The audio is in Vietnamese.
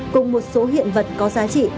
cùng một số hiện vật có giá trị